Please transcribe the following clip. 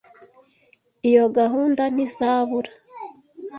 Iyo gahunda ntizabura.